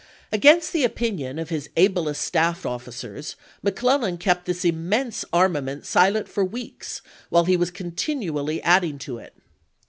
Against the opinion of his ablest staff officers, McClellan kept this immense armament silent for weeks while he was continually adding to it.